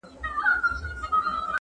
زما بچي مي زه پخپله لویومه -